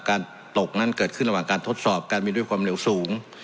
การตกนั้นเกิดขึ้นระหว่างการทดสอบการบินด้วยความเร็วสูง